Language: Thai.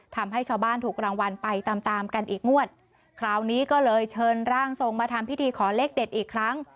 ทำให้ชาวบ้านถูกรางวัลไปตามตามกันอีกงวดคราวนี้ก็เลยเชิญร่างทรงมาทำพิธีขอเลขเด็ดอีกครั้ง